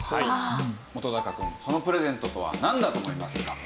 本くんそのプレゼントとはなんだと思いますか？